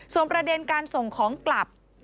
ส่วนประเด็นการส่งของกลับ